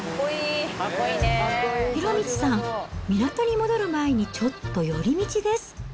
博道さん、港に戻る前にちょっと寄り道です。